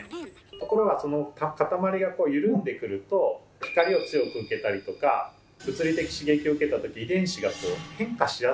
ところがその固まりが緩んでくると光を強く受けたりとか物理的刺激を受けた時遺伝子が変化しやすくなってる。